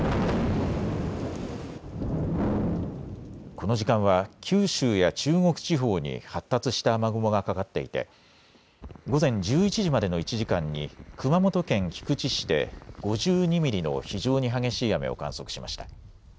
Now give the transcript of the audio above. この時間は九州や中国地方に発達した雨雲がかかっていて午前１１時までの１時間に熊本県菊池市で５２ミリの非常に激しい雨を観測しました。